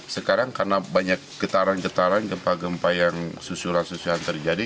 sekarang karena banyak getaran getaran gempa gempa yang susuran susulan terjadi